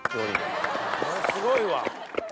すごいわ！